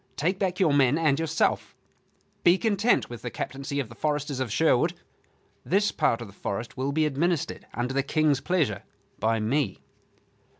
Take back your men and yourself; be content with the captaincy of the foresters of Sherwood. This part of the forest will be administered, under the King's pleasure, by me."